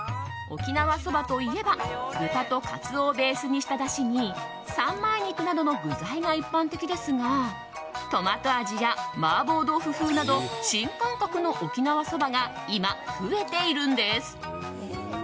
沖縄そばといえば豚とカツオをベースにしただしに三枚肉などの具材が一般的ですがトマト味や麻婆豆腐風など新感覚の沖縄そばが今、増えているんです。